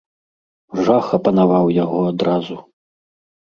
Жах апанаваў яго адразу.